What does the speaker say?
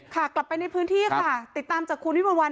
กลับไปในพื้นที่ค่ะติดตามจากคุณวิมวลวัน